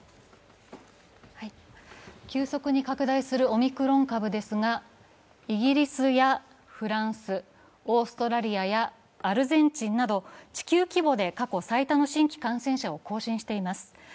急速に拡大するオミクロン株ですが、イギリスやフランス、オーストラリアやアルゼンチンなど地球規模で過去最多の新規感染者を更新しています。